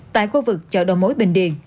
tại khu vực chợ đồ mối bình điền